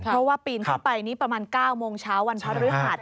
เพราะว่าปีนขึ้นไปนี่ประมาณ๙โมงเช้าวันพระฤหัส